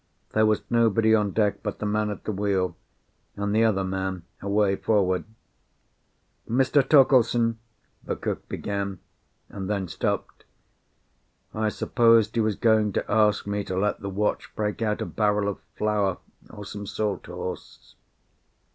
There was nobody on deck but the man at the wheel, and the other man away forward. "Mr. Torkeldsen," the cook began, and then stopped. I supposed he was going to ask me to let the watch break out a barrel of flour, or some salt horse.